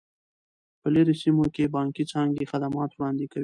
په لیرې سیمو کې بانکي څانګې خدمات وړاندې کوي.